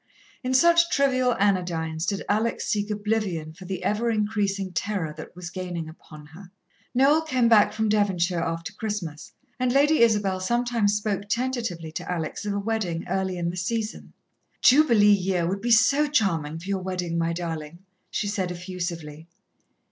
In such trivial anodynes did Alex seek oblivion for the ever increasing terror that was gaining upon her. Noel came back from Devonshire after Christmas and Lady Isabel sometimes spoke tentatively to Alex of a wedding early in the season. "Jubilee year would be so charming for your wedding, my darling," she said effusively.